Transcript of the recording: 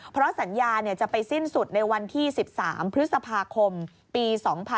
เพราะสัญญาจะไปสิ้นสุดในวันที่๑๓พฤษภาคมปี๒๕๖๒